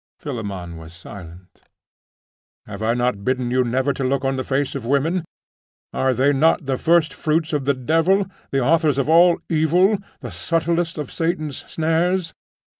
Philammon was silent. 'Have I not bidden you never to look on the face of women? Are they not the firstfruits of the devil, the authors of all evil, the subtlest of all Satan's snares?